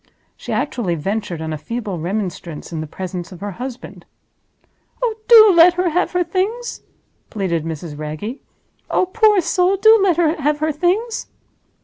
She actually ventured on a feeble remonstrance in the presence of her husband. "Oh, do let her have her Things!" pleaded Mrs. Wragge. "Oh, poor soul, do let her have her Things!"